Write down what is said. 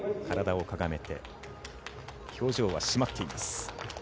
体をかがめて表情は締まっています。